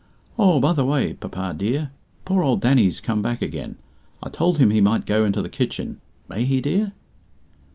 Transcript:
Oh, by the way, papa dear, poor old Danny's come back again. I told him he might go into the kitchen. May he, dear?"